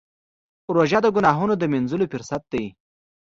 روژه د ګناهونو د مینځلو فرصت دی.